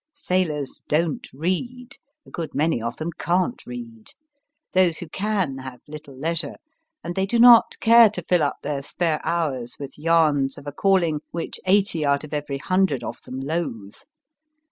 Sailors don t read : a good many of them cant read. Those who can have little leisure, and they do not care to fill up their spare hours with yarns of a calling which eighty out of every hundred of them loathe.